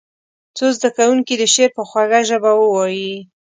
څو زده کوونکي دې شعر په خوږه ژبه ووایي.